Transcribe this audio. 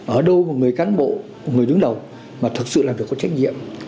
ở đâu mà người cán bộ người đứng đầu mà thật sự làm được có trách nhiệm